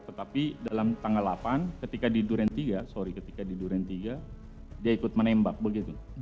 tetapi dalam tanggal delapan ketika di duren tiga sorry ketika di duren tiga dia ikut menembak begitu